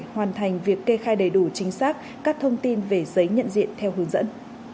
hoàn thành việc kê khai đầy đủ chính xác các thông tin về giấy nhận diện theo hướng dẫn